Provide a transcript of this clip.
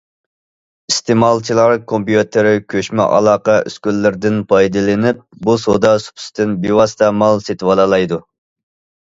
ئىستېمالچىلار كومپيۇتېر، كۆچمە ئالاقە ئۈسكۈنىلىرىدىن پايدىلىنىپ، بۇ سودا سۇپىسىدىن بىۋاسىتە مال سېتىۋالالايدۇ.